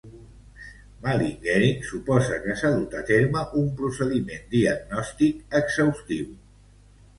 Malingering suposa que s'ha dut a terme un procediment diagnòstic exhaustiu.